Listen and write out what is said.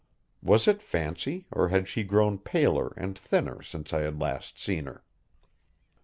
Was it fancy, or had she grown paler and thinner since I had last seen her?